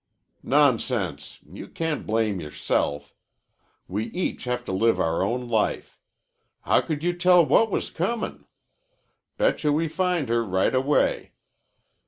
"Nonsense. You can't blame yourself. We each have to live our own life. How could you tell what was comin'? Betcha we find her right away.